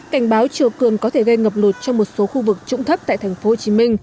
cảnh báo chiều cường có thể gây ngập lụt trong một số khu vực trũng thấp tại tp hcm